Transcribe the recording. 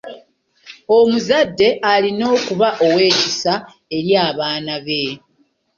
Omuzadde alina okuba ow'ekisa eri abaana be.